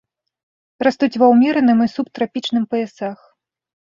Растуць ва ўмераным і субтрапічным паясах.